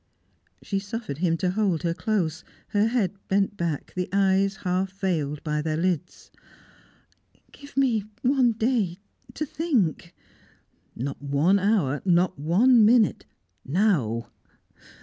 She suffered him to hold her close her head bent back, the eyes half veiled by their lids. "Give me one day to think " "Not one hour, not one minute! Now!"